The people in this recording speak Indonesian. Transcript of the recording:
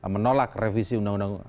menolak revisi undang undang